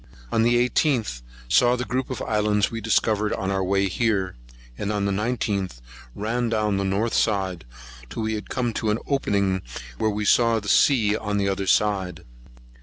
[136 4] On the 18th, saw the group of islands we discovered on our way here; and on the 19th, ran down the north side till we came to an opening, where we saw the sea on the other side.